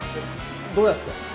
どうやって？